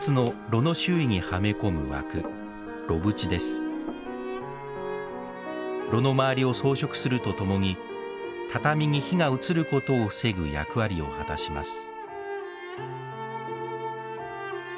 炉の周りを装飾すると共に畳に火が移ることを防ぐ役割を果たします。